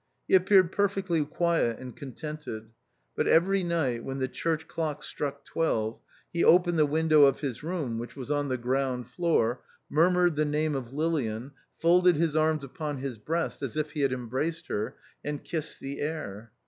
He appeared perfectly quiet and contented ; but every night when the church clock struck twelve, he opened the window of his room, which was on the ground floor, mur mured the name of Lilian, folded his arms upon his breast, as if he had embraced her, and kissed the air.